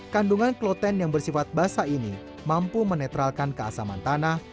kandungan kloten yang bersifat basah ini mampu menetralkan keasaman tanah